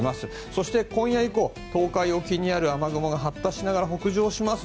そして今夜以降東海沖にある雨雲が発達しながら北上します。